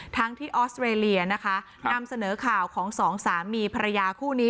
ทั้งที่ออสเตรเลียนะคะนำเสนอข่าวของสองสามีภรรยาคู่นี้